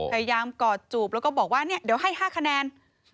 พยายามกอดจูบแล้วก็บอกว่าเดี๋ยวให้๕คะแนน